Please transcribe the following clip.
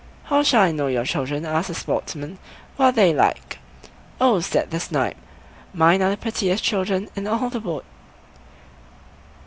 "How shall I know your children?" asked the Sportsman; "what are they like?" "Oh!" said the Snipe, "mine are the prettiest children in all the wood."